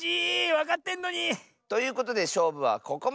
わかってんのに！ということでしょうぶはここまで！